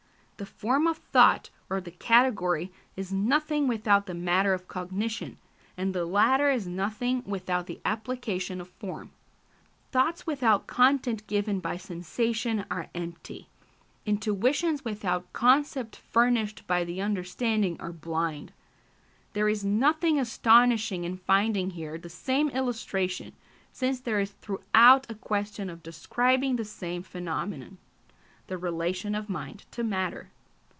The form of thought, or the category, is nothing without the matter of cognition, and the latter is nothing without the application of form. "Thoughts without content given by sensation are empty; intuitions without concept furnished by the understanding are blind." There is nothing astonishing in finding here the same illustration, since there is throughout a question of describing the same phenomenon, the relation of mind to matter.